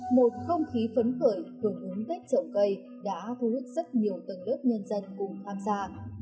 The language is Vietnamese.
một không khí phấn khởi vừa hướng tết trồng cây đã thu hút rất nhiều tầng đất nhân dân cùng tham gia